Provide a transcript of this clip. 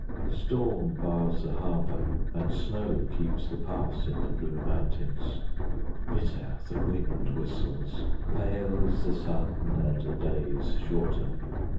Storm bars the harbour, And snow keeps the pass 5 In the blue mountains. Bitter the wind whistles, Pale is the sun, And the days shorten.